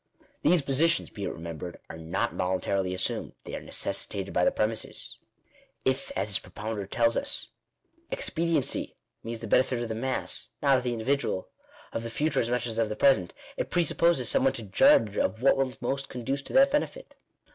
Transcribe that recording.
These positions, be it remembered, are not voluntarily assumed; they are necessitated by the premises. If, as its propounder tells us, "expediency" means the benefit of the mass, not of the individual — of the future as much as of the present, it presupposes some one to judge of what will most conduce to that benefit.